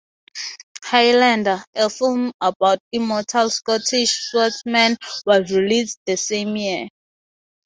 "Highlander", a film about immortal Scottish swordsmen, was released the same year.